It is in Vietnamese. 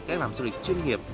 các làm du lịch chuyên nghiệp